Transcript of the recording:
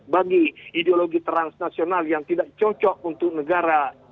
bagi ideologi transnasional yang tidak cocok untuk negara